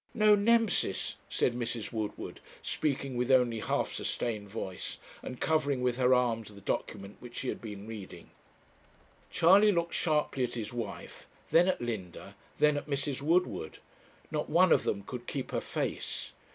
'No Nemesis,' said Mrs. Woodward, speaking with only half sustained voice, and covering with her arms the document which she had been reading. Charley looked sharply at his wife, then at Linda, then at Mrs. Woodward. Not one of them could keep her face.